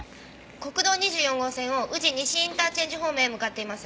国道２４号線を宇治西インターチェンジ方面へ向かっています。